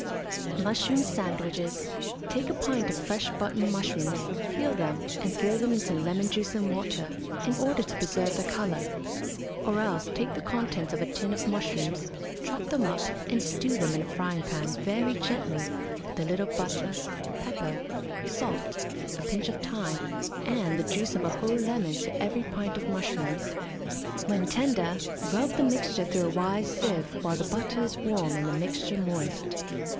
MUSHROOM SANDWICHES. Take a pint of fresh button mushrooms, peel them, and throw them into lemon juice and water, in order to preserve their colour; or else take the contents of a tin of mushrooms, chop them up and stew them in a frying pan very gently with a little butter, pepper, salt, a pinch of thyme, and the juice of a whole lemon to every pint of mushrooms. When tender, rub the mixture through a wise sieve while the butter is warm and the mixture moist.